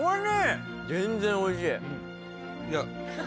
全然おいしい。